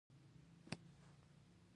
دوی د خلکو کرنیز محصولات په زور اخیستل.